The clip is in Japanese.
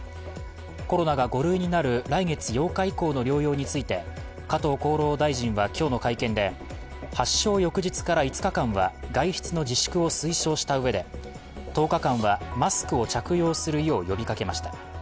コロナが５類になる来月８日以降の療養について加藤厚労大臣は今日の会見で発症翌日から５日間は外出の自粛を推奨したうえで１０日間はマスクを着用するよう呼びかけました。